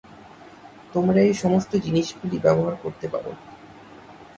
তোমরা এই সমস্ত জিনিসগুলি ব্যবহার করতে পার।